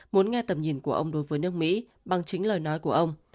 muốn nghe tầm nhìn của ông đối với nước mỹ bằng chính lời nói của ông